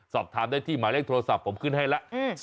สอบถามได้ที่หมายเลขโทรศัพท์ผมขึ้นให้แล้ว